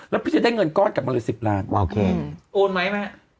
แล้วพี่จะได้เงินก้อนกลับมาเลย๑๐ล้านโอเคโอนไหมแม่